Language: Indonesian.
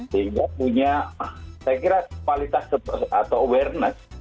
sehingga punya saya kira kualitas atau awareness